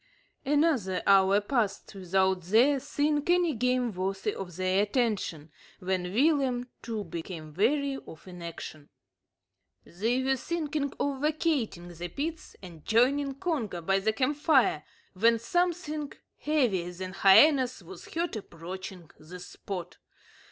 Another hour passed without their seeing any game worthy of their attention, when Willem, too, became weary of inaction. They were thinking of vacating the pits and joining Congo by the camp fire, when something heavier than hyenas was heard approaching the spot.